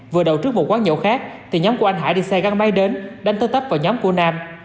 vừa đầu trước một quán nhậu khác thì nhóm của anh hải đi xe găng máy đến đánh tớ tắp vào nhóm của nam